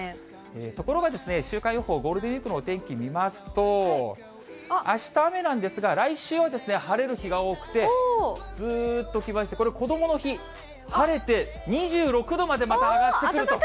ところが週間予報、ゴールデンウィークのお天気見ますと、あした雨なんですが、来週は晴れる日が多くて、ずーっといきまして、これ、こどもの日、晴れて２６度までまた上がってくると。